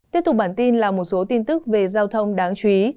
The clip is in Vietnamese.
tiếp tục bản tin là một số tin tức về giao thông đáng chú ý